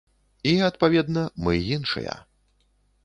І, адпаведна, мы іншыя.